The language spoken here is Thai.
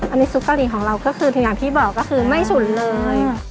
อันนี้ซุปกะหรี่ของเราก็คืออย่างที่บอกก็คือไม่ฉุนเลย